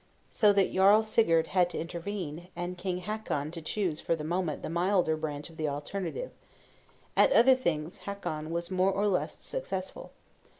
'" So that Jarl Sigurd had to intervene, and King Hakon to choose for the moment the milder branch of the alternative. At other Things Hakon was more or less successful.